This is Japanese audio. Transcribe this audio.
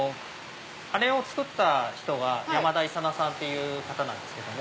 あれを作った人は山田勇魚さんというんですけども。